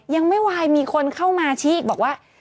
ยังไม่ไหวมีคนเข้ามาชีกบอกว่า